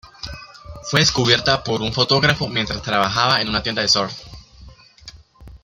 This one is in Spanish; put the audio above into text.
Fue descubierta por un fotógrafo mientras trabajaba en una tienda de surf.